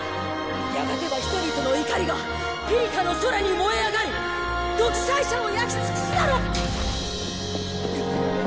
やがては人々の怒りがピリカの空に燃え上がり独裁者を焼き尽くすだろう！